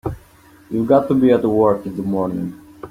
You've got to be at work in the morning.